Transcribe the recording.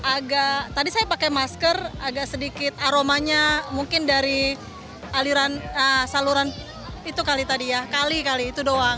agak tadi saya pakai masker agak sedikit aromanya mungkin dari aliran saluran itu kali tadi ya kali kali itu doang